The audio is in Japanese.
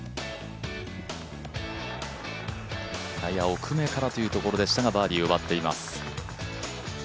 やや奥めからというところでしたが、バーディー奪っています。